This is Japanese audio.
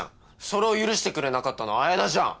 それを許してくれなかったのは綾菜じゃん。